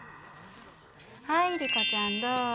はいリコちゃんどうぞ。